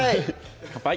乾杯！